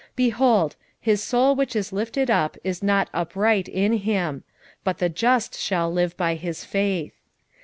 2:4 Behold, his soul which is lifted up is not upright in him: but the just shall live by his faith.